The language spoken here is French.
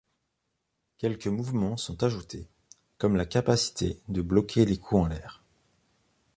Quelques mouvement sont ajoutés, comme la capacité de bloquer les coups en l'air.